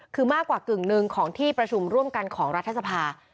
คือมากกว่ากึ่งหนึ่งของที่ประชุมร่วมกันของรัฐสภา